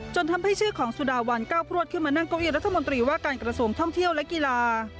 ทำให้ชื่อของสุดาวันก้าวพลวดขึ้นมานั่งเก้าอี้รัฐมนตรีว่าการกระทรวงท่องเที่ยวและกีฬา